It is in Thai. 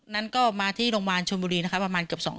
นั้นก็มาที่โรงบานชวชวนบุรีนะครับประมาณเกือบสอง